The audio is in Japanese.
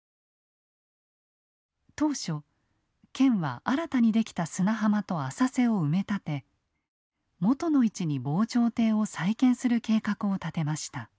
当初県は新たに出来た砂浜と浅瀬を埋め立て元の位置に防潮堤を再建する計画を立てました。